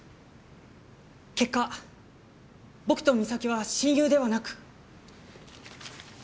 結果僕と美咲は親友ではなく。